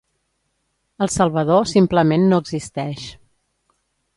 El Salvador simplement no existeix.